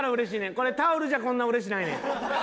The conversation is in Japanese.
これタオルじゃこんなうれしないねん。